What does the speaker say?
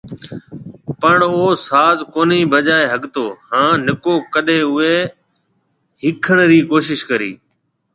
پڻ او ڪو ساز ڪونهي بجائي ۿگھتو هان نڪو ڪڏي اوئي ۿيکڻ ري ڪوشش ڪي